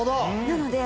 なので。